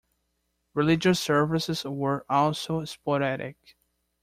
Religious services were also sporadic.